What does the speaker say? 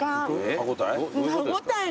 歯応え？